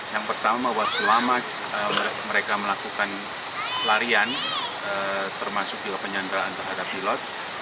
yang pertama bahwa selama mereka melakukan larian termasuk juga penyanderaan terhadap pilot